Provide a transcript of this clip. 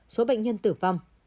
số bệnh nhân tử vong